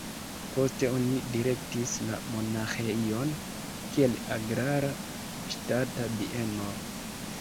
Poste oni direktis la monaĥejon kiel agrara ŝtata bieno.